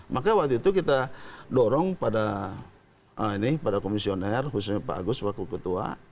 maka waktu itu kita dorong pada komisioner khususnya pak agus selaku ketua